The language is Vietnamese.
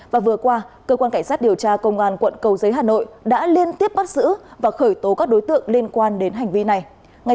và vừa qua cơ quan cảnh sát điều tra công an quận cầu giấy hà nội đã liên tiếp bắt giữ và khởi tố các đối tượng liên quan đến hành vi này